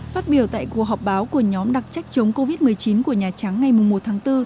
phát biểu tại cuộc họp báo của nhóm đặc trách chống covid một mươi chín của nhà trắng ngày một tháng bốn